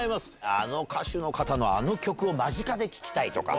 あの歌手の方のあの曲を間近で聴きたいとか。